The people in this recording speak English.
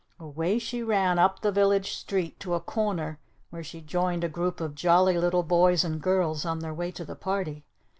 Away she ran up the village street to a corner where she joined a group of jolly little boys and girls on their way to the party.